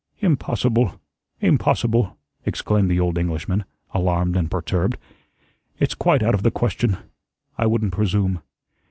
"Impossible impossible!" exclaimed the old Englishman, alarmed and perturbed. "It's quite out of the question. I wouldn't presume."